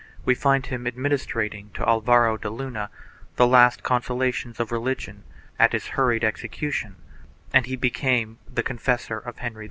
1 In 1453 we find him administering to Alvaro de Luna the last consolations of religion at his hurried execution, and he became the confessor of Henry IV.